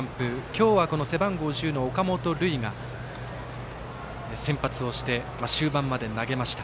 今日は、背番号１０の岡本琉奨が先発をして終盤まで投げました。